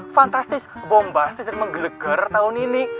fantastis bombastis dan menggelegar tahun ini